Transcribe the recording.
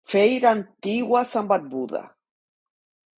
Fair Antigua and Barbuda!